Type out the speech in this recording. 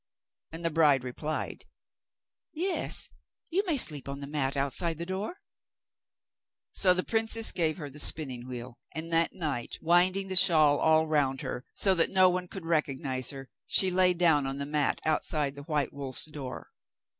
And the bride replied, 'Yes, you may sleep on the mat outside the door.' So the princess gave her the spinning wheel. And that night, winding the shawl all round her, so that no one could recognise her, she lay down on the mat outside the white wolf's door.